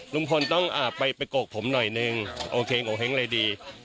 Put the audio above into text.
ลุงพลต้องไปโกกผมหน่อยนึงโอเคโงเห้งอะไรดี